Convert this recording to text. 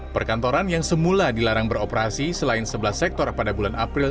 perkantoran yang semula dilarang beroperasi selain sebelas sektor pada bulan april